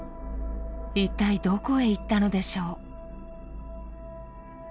一体どこへ行ったのでしょう？